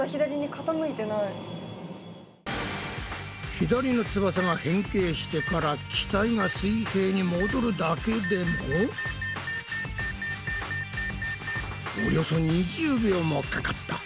左の翼が変形してから機体が水平に戻るだけでもおよそ２０秒もかかった。